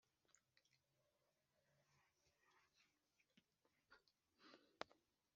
ahitamo nawe kwitanga ashyirwa kungoyi